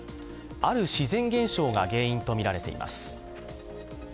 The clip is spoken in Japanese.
ある自然現象が原因とみられています。